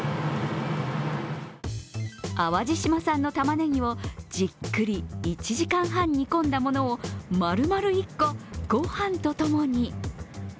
淡路島産の玉ねぎをじっくり１時間半煮込んだものを丸々１個、御飯とともに。